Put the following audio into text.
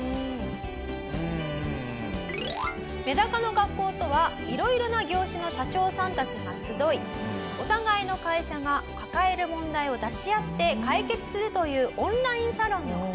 目高の学校とはいろいろな業種の社長さんたちが集いお互いの会社が抱える問題を出し合って解決するというオンラインサロンの事。